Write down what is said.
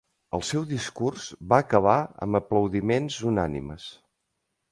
El seu discurs va acabar amb aplaudiments unànimes.